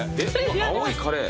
青いカレー。